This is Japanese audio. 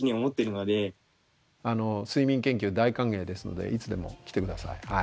睡眠研究大歓迎ですのでいつでも来て下さい。